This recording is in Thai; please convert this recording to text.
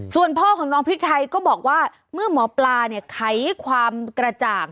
ส่วนพ่อของน้องพริกไทยก็บอกว่าเมื่อหมอปลาเนี่ยไขความกระจ่าง